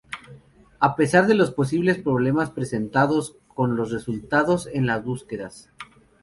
A pesar de los posibles problemas presentados con los resultados en las búsquedas.